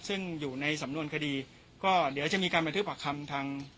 ซึ่งอยู่ในสำนวนคดีก็เดี๋ยวจะมีการบันทึกปากคำทาง